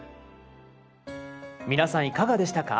皆さんいかがでしたか？